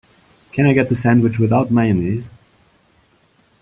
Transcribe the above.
Can I get the sandwich without mayonnaise?